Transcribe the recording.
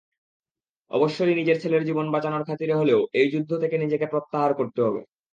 অবশ্যই নিজের ছেলের জীবন বাঁচানোর খাতিরে হলেও এই যুদ্ধ থেকে নিজেকে প্রত্যাহার করতে হবে।